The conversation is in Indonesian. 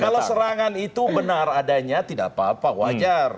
kalau serangan itu benar adanya tidak apa apa wajar